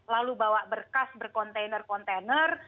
lalu bawa berkas berkontainer kontainer